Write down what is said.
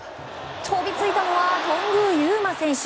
飛びついたのは頓宮裕真選手！